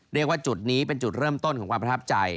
เรียกว่าจุดนี้เป็นจุดเริ่มต้นของความประทับใจ